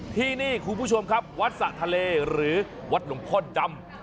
ที่นี่คุณผู้ชมครับวัดสะทะเลหรือวัดหลวงพ่อจำ